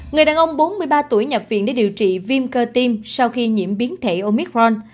người đàn ông bốn mươi ba tuổi nhập viện để điều trị viêm cơ tim sau khi nhiễm biến thể omicron